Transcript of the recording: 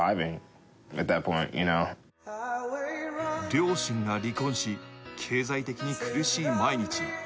両親が離婚し、経済的に苦しい毎日。